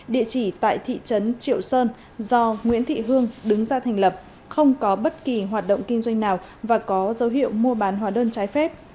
địa chỉ tại thị trấn triệu sơn do nguyễn thị hương đứng ra thành lập không có bất kỳ hoạt động kinh doanh nào và có dấu hiệu mua bán hóa đơn trái phép